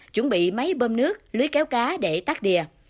chuẩn bị máy bơm nước lưới kéo cá để tắt đìa